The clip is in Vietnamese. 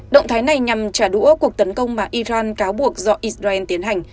động thái này nhằm trả đũa cuộc tấn công mà iran cáo buộc do israel tiến hành